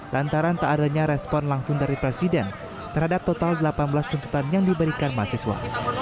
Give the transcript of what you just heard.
lantaran tak adanya respon langsung dari presiden terhadap total delapan belas tuntutan yang diberikan mahasiswa